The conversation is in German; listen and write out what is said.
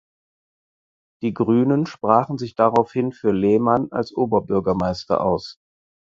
Die Grünen sprachen sich daraufhin für Lehmann als Oberbürgermeister aus.